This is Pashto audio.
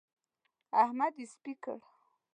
احمد يې سپي کړ.